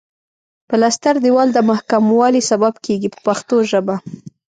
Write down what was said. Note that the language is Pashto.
پلستر دېوال د محکموالي سبب کیږي په پښتو ژبه.